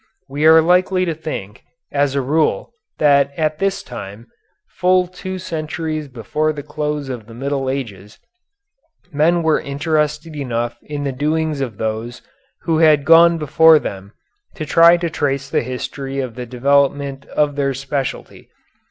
We are little likely to think, as a rule, that at this time, full two centuries before the close of the Middle Ages, men were interested enough in the doings of those who had gone before them to try to trace the history of the development of their specialty.